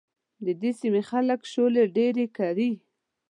د دې سيمې خلک شولې ډېرې کري.